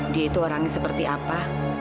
dia itu orangnya seperti apa